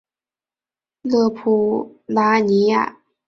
勒普拉尼亚。